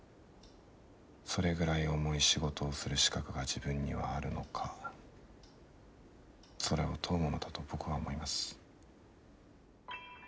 それぐらい重い仕事をする資格が自分にはあるのかそれを問うものだと僕は思います。